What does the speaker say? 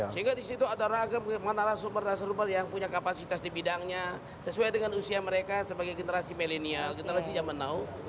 sehingga disitu ada ragam pengguna nasional yang punya kapasitas di bidangnya sesuai dengan usia mereka sebagai generasi millennial generasi jaman now